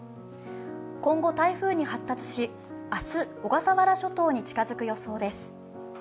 今後台風に発達し、明日小笠原諸島に近づく予想です。